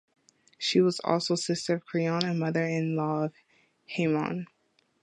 She was also sister of Creon and mother-in-law of Haimon.